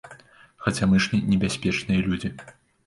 Хаця мы ж не небяспечныя людзі.